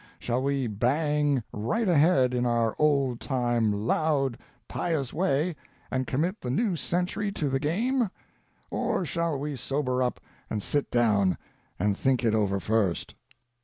Shall we bang right ahead in our old time, loud, pious way, and commit the new century to the game; or shall we sober up and sit down and think it over first?